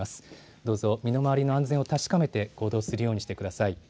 どうぞ身の回りの安全を確かめて行動するようにしてください。